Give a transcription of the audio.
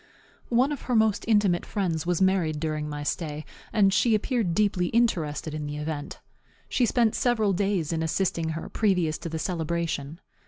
One of her most intimate friends was married during my stay, and she appeared deeply interested in the event. She spent several days in assisting her previous to the celebration.